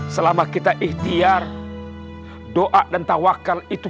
selama kita ikhtiar doa dan tawakal itu